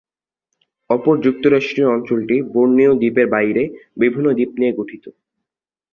অপর যুক্তরাষ্ট্রীয় অঞ্চলটি বোর্নিও দ্বীপের বাইরে বিভিন্ন দ্বীপ নিয়ে গঠিত।